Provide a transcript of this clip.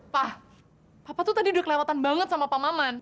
pak apa tuh tadi udah kelewatan banget sama pak maman